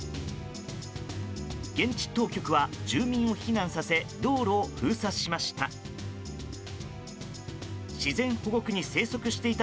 現地当局は住民を避難させ道路を封鎖しました。